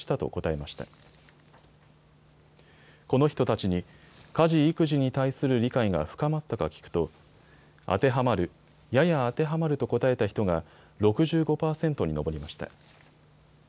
この人たちに家事・育児に対する理解が深まったか聞くと当てはまる、やや当てはまると答えた人が６５％に上りました。